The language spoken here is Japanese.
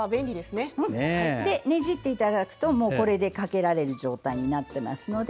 ねじっていただくとこれでかけられる状態になっていますので。